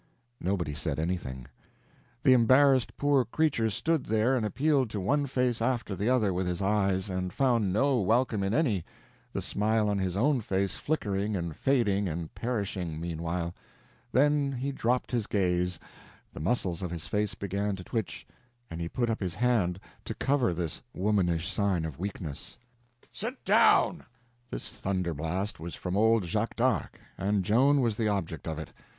Nobody said anything. The embarrassed poor creature stood there and appealed to one face after the other with his eyes, and found no welcome in any, the smile on his own face flickering and fading and perishing, meanwhile; then he dropped his gaze, the muscles of his face began to twitch, and he put up his hand to cover this womanish sign of weakness. "Sit down!" This thunder blast was from old Jacques d'Arc, and Joan was the object of it.